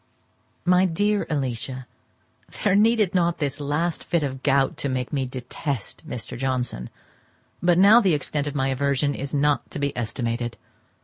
My dear Alicia,—There needed not this last fit of the gout to make me detest Mr. Johnson, but now the extent of my aversion is not to be estimated.